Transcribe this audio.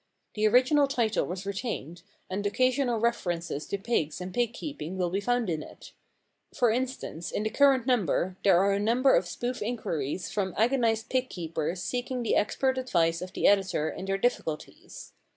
The original title was retained, and occasional references to pigs and pig keeping will be found in it. For instance, in the current number there are a number of spoof inquiries from agonised pig keepers seeking the expert advice of the editor in their difficulties.